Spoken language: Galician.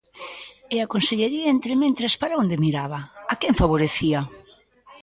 ¿E a consellería entrementres para onde miraba, a quen favorecía?